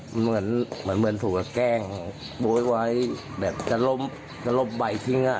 เหมือนถูกกับแกล้งโบ๊ยไวแบบจะลบใบทิ้งอ่ะ